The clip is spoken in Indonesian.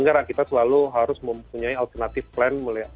anggaran kita selalu harus mempunyai alternatif plan